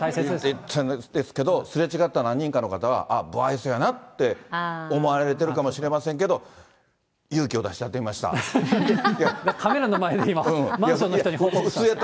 行ったんですけど、すれ違った何人かの方はあっ、不愛想やなって思われてるかもしれませんけど、勇気を出してやっカメラの前で今、マンションの人に報告。